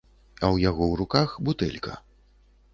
А ў яго ў руках бутэлька.